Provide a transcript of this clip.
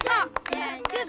kayak petinju itu tuh